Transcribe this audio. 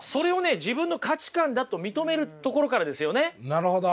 なるほど！